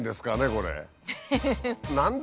これ。